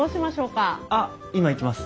あっ今行きます。